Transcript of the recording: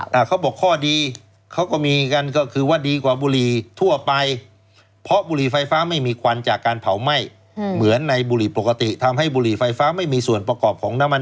แล้วก็รายงานที่บอกว่ามันก็มีสายพิษอื่นอีกเหมือนกัน